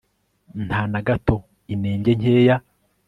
Nta na gato inenge nkeya